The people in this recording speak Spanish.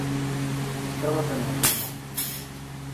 Estaba tan enfermo.